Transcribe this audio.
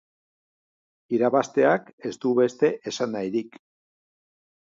Irabazteak ez du beste esanahirik.